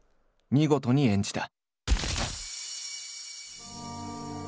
見事に演じた。